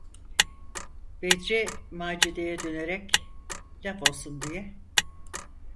Bedri, Macide’ye dönerek, laf olsun diye: